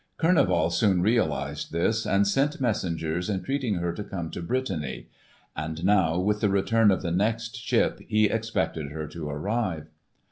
Kurneval soon realised this and sent messengers entreating her to come to Brittany; and now with the return of the next ship he expected her to arrive.